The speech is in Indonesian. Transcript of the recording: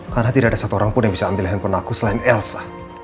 karena tidak ada satu orang pun yang bisa ambil handphone aku selain elsa